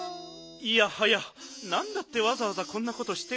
いやはやなんだってわざわざこんなことしてるんだ？